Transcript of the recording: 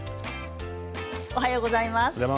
おはようございます。